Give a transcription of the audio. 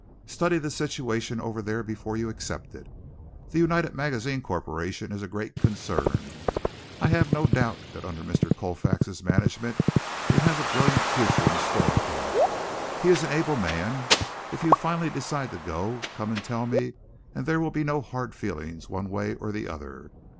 Study the situation over there before you accept it. The United Magazines Corporation is a great concern. I have no doubt that under Mr. Colfax's management it has a brilliant future in store for it. He is an able man. If you finally decide to go, come and tell me and there will be no hard feelings one way or the other.